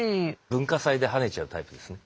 文化祭で跳ねちゃうタイプですね。